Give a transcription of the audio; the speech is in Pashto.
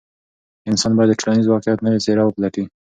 انسان باید د ټولنیز واقعیت نوې څېره وپلټي.